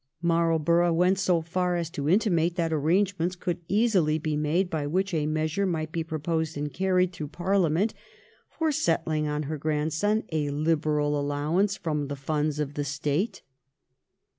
Marlborough went so far as to intimate that arrangements could easily be made, by which a measure might be proposed and carried through Parliament for settling on her grandson a liberal allowance from the funds of the State.